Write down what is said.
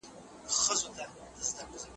چې زموږ په هډ هډ به بیا بېرته ودانیږي وطن